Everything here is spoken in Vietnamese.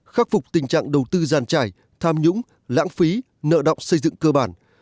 khắc phục tình trạng đầu tư giàn trải tham nhũng lãng phí nợ động xây dựng cơ bản